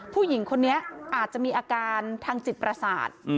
ผู้หญิงคนนี้อาจจะมีอาการทางจิตประสาท